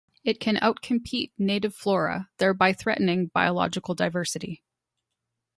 It can outcompete native flora, thereby threatening biological diversity.